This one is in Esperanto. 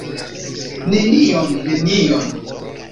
Nenion, nenion!